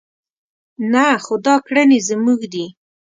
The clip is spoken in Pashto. نه خو دا کړنې زموږ دي.